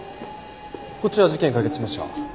こっちは事件解決しました。